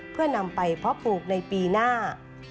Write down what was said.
เพื่อนำไปเพาะปลูกในปีหน้า